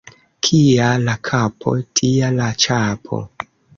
Kia la kapo, tia la ĉapo.